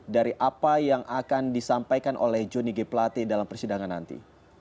dari apa yang akan disampaikan oleh johnny g plate dalam persidangan nanti